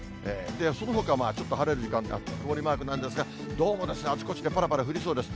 そのほかはちょっと晴れる時間、曇りマークなんですが、どうもあちこちでぱらぱら降りそうです。